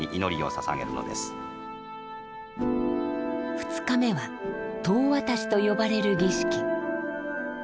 ２日目は「当渡し」と呼ばれる儀式。